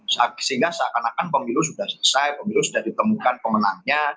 sehingga seakan akan pemilu sudah selesai pemilu sudah ditemukan pemenangnya